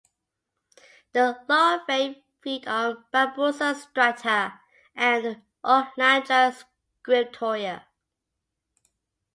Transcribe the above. The larvae feed on "Bambusa striata" and "Ochlandra scriptoria".